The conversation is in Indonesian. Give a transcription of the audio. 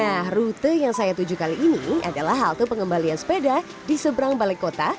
nah rute yang saya tuju kali ini adalah halte pengembalian sepeda di seberang balai kota